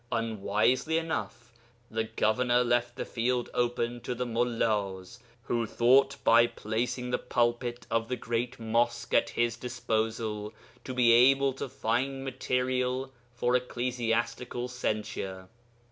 Unwisely enough, the governor left the field open to the mullas, who thought by placing the pulpit of the great mosque at his disposal to be able to find material for ecclesiastical censure.